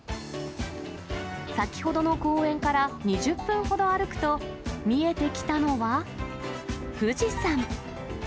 先ほどの公園から２０分ほど歩くと、見えてきたのは富士山。